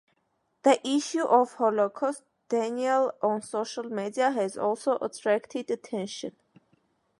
The issue of Holocaust denial on social media has also attracted attention.